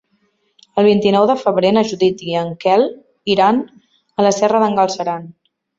El vint-i-nou de febrer na Judit i en Quel aniran a la Serra d'en Galceran.